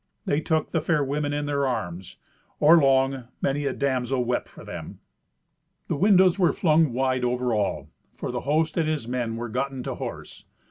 They took the fair women in their arms. Or long, many a damsel wept for them. The windows were flung wide over all, for the host and his men were gotten to horse.